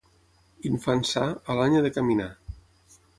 Infant sa, a l'any ha de caminar.